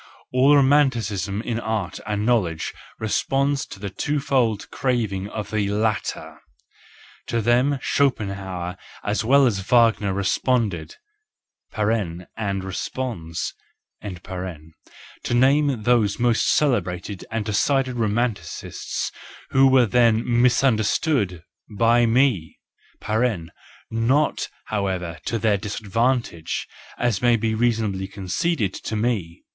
All Romanti¬ cism in 3 jt and knowledge responds to the twofold WE FEARLESS ONES 333 craving of the latter ; to them Schopenhauer as well as Wagner responded (and responds),—to name those most celebrated and decided romanticists who were then misunderstood by me {not however to their disadvantage, as may be reasonably conceded to me).